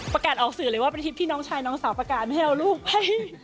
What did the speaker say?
ประกาศออกสื่อเลยว่าเป็นคลิปที่น้องชายน้องสาวประกาศไม่ให้เอาลูกไป